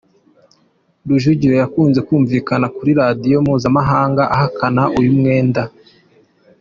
Rujugiro yakunze kumvikana kuri radio mpuzamahanga ahakana uyu mwenda.